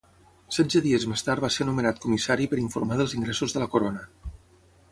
Setze dies més tard va ser nomenat Comissari per informar dels ingressos de la Corona.